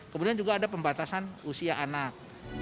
kemudian juga ada pembatasan usia anak